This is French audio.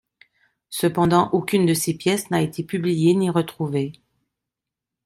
Cependant, aucune de ces pièces n'a été publiée ni retrouvée.